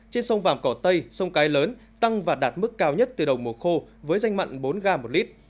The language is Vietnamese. trên sông vàng cỏ tây sông cái lớn tăng và đạt mức cao nhất từ đầu mùa khô với danh mặn bốn ga một lit